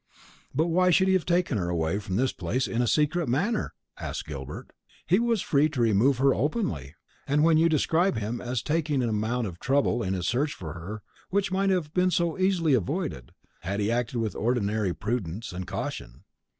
"But why should he have taken her away from this place in a secret manner?" asked Gilbert; "he was free to remove her openly. And then you describe him as taking an amount of trouble in his search for her, which might have been so easily avoided, had he acted with ordinary prudence and caution.